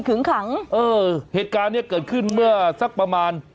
ขังเออเหตุการณ์เนี้ยเกิดขึ้นเมื่อสักประมาณ